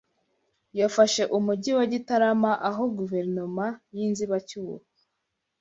yafashe Umujyi wa Gitarama aho Guverinoma y’inzibacyuho